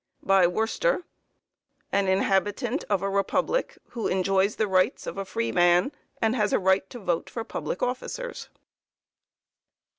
By Worcester "An inhabitant of a republic who enjoys the rights of a freeman, and has a right to vote for public officers."